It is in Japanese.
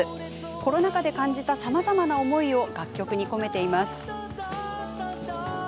コロナ禍で感じたさまざまな思いを楽曲に込めています。